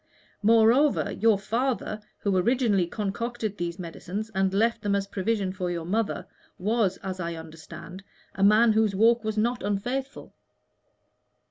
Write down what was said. Moreover, your father, who originally concocted these medicines and left them as a provision for your mother, was, as I understand, a man whose walk was not unfaithful."